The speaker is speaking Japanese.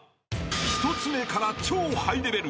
［１つ目から超ハイレベル］